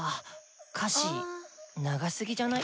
歌詞長すぎじゃない？